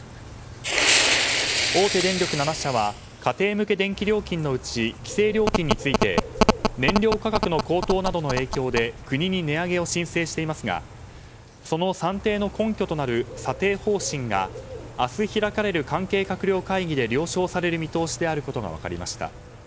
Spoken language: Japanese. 大手電力７社は家庭向け電気料金のうち規制料金について燃料価格の高騰などの影響で国に値上げを申請していますがその算定の根拠となる査定方針が明日開かれる関係閣僚会議で了承される見通しであることが分かりました。